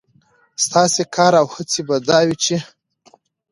ستاسې کار او هڅه به دا وي، چې